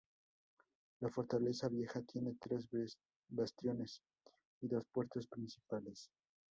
La fortaleza vieja tiene tres bastiones y dos puertas principales.